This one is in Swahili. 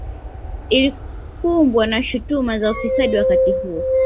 Ilikumbwa na shutuma za ufisadi wakati huo